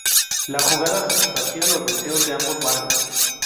La jugada satisfacía los deseos de ambos bandos.